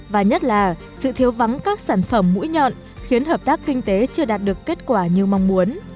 và nhất là sự thiếu vắng các sản phẩm mũi nhọn khiến hợp tác kinh tế chưa đạt được kết quả như mong muốn